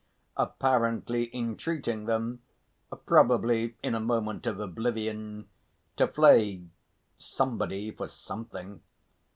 apparently entreating them probably in a moment of oblivion to flay somebody for something.